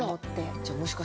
じゃあもしかしたら。